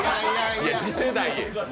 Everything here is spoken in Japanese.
次世代へ